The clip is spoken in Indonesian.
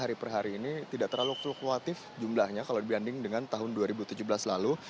ini tidak terlalu flukuatif jumlahnya kalau dibanding dengan tahun dua ribu tujuh belas lalu